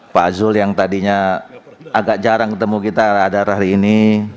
pak zul yang tadinya agak jarang ketemu kita radar hari ini